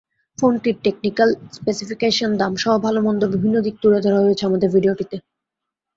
ফোনটির technical specification, দামসহ ভালো-মন্দ বিভিন্ন দিক তুলে ধরা হয়েছে আমাদের ভিডিওটিতে।